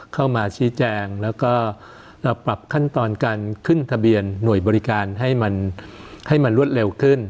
เข้ามาชี้แจงแล้วก็ปรับขั้นตอนการขึ้นทะเบียนหน่วยบริการให้มันให้มันรวดเร็วขึ้น